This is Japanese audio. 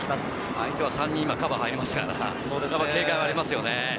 相手は３人、今カバーに入りましたから警戒がありますよね。